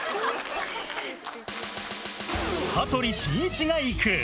羽鳥慎一が行く。